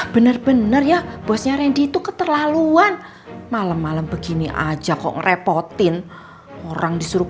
bener bener ya bosnya randy itu keterlaluan malam malam begini aja kok ngerepotin orang disuruh